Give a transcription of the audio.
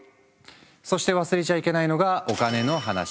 そして忘れちゃいけないのがお金の話。